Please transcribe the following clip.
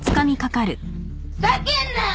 ふざけんなよ